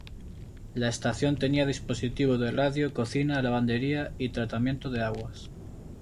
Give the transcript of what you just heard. La estación tenía dispositivo de radio, cocina, lavandería y tratamiento de aguas.